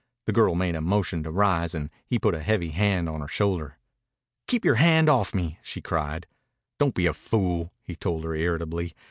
The girl made a motion to rise and he put a heavy hand on her shoulder. "Keep your hand off me!" she cried. "Don't be a fool," he told her irritably.